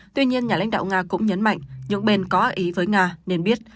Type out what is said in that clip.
tuy nhiên nhà lãnh đạo nga cũng nhấn mạnh những bên có gợi ý với nga nên biết